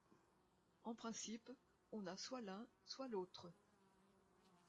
En principe, on a soit l'un, soit l'autre.